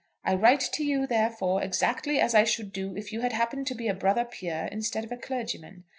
I write to you, therefore, exactly as I should do if you had happened to be a brother peer instead of a clergyman.